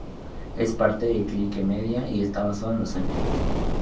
Es parte de Clique Media y está basado en Los Angeles.